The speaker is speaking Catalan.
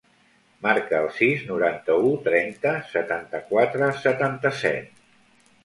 Marca el sis, noranta-u, trenta, setanta-quatre, setanta-set.